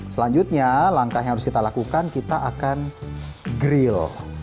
selanjutnya langkah yang harus kita lakukan kita akan grill